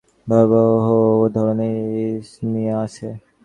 আপনার ভয়াবহ ধরনের ইনসমনিয়া আছে।